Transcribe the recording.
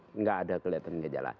tidak ada kelihatan kejalan